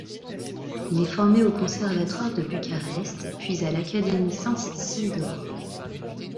Il est formé au conservatoire de Bucarest, puis à l'académie Sainte-Cécile de Rome.